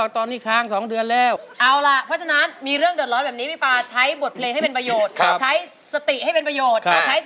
ขอให้ฟังอีนทส